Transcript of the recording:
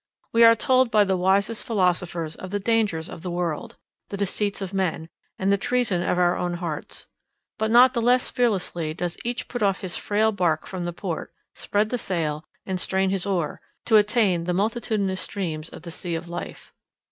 We are told by the wisest philosophers of the dangers of the world, the deceits of men, and the treason of our own hearts: but not the less fearlessly does each put off his frail bark from the port, spread the sail, and strain his oar, to attain the multitudinous streams of the sea of life.